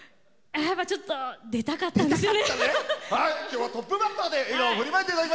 やっぱ、ちょっと出たかったんですよね。